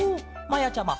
まやちゃま